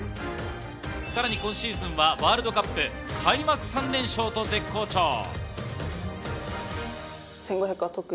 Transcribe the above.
さらに今シーズンはワールドカップ開幕３連勝と絶好調。